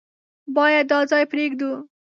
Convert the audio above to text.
بايد دا ځای پرېږدو.